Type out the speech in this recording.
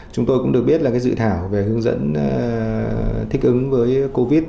chúng tôi cũng được biết là dự thảo về hướng dẫn thích ứng với covid